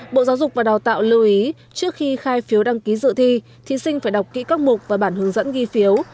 bộ giáo dục và đào tạo lưu ý trước khi khai phiếu đăng ký dự thi thí sinh phải đọc kỹ các mục và bản hướng dẫn ghi phiếu